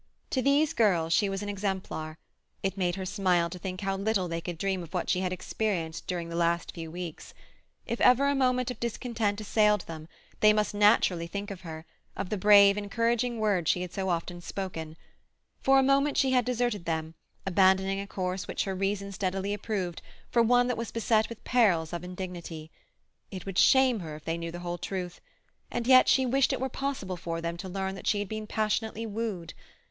To these girls she was an exemplar; it made her smile to think how little they could dream of what she had experienced during the last few weeks; if ever a moment of discontent assailed them, they must naturally think of her, of the brave, encouraging words she had so often spoken. For a moment she had deserted them, abandoning a course which her reason steadily approved for one that was beset with perils of indignity. It would shame her if they knew the whole truth—and yet she wished it were possible for them to learn that she had been passionately wooed.